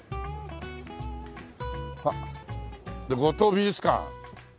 あっ「五島美術館」。